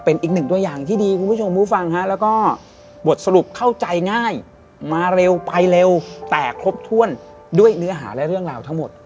เป็นอีกหนึ่งตัวอย่างที่ดีคุณผู้ชมผู้ฟังฮะแล้วก็บทสรุปเข้าใจง่ายมาเร็วไปเร็วแต่ครบถ้วนด้วยเนื้อหาและเรื่องราวทั้งหมด